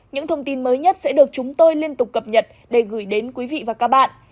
những thông tin mới nhất sẽ được chúng tôi liên tục cập nhật để gửi đến quý vị và các bạn